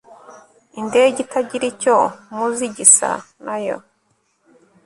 indege itagira icyo muzi gisa nayo